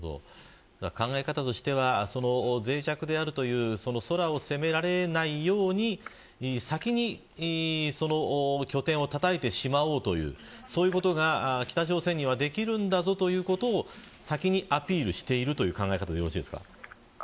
考え方としては脆弱であるという空を攻められないように先に拠点をたたいてしまおうというそういうことが北朝鮮にはできるんだぞということを先にアピールしているという考えでよろしいですか。